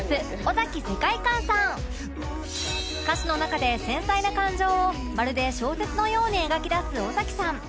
歌詞の中で繊細な感情をまるで小説のように描き出す尾崎さん